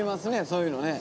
そういうのね。